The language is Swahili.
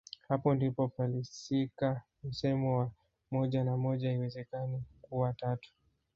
Hapo ndipo palisikika msemo wa moja na moja haiwezekani kuwa tatu